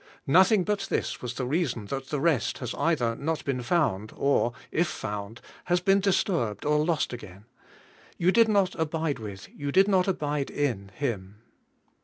Nothing but this was the reason that the rest has either not been fonnd, or, if found, has been disturbed or lost again : you did not abide with, you did not abide in Him.